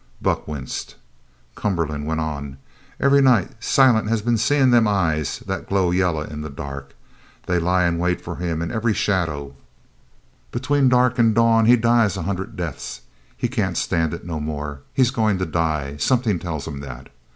Buck winced. Cumberland went on: "Every night Silent has been seein' them eyes that glow yaller in the dark. They lie in wait for him in every shadow. Between dark and dawn he dies a hundred deaths. He can't stand it no more. He's goin' to die. Somethin' tells him that.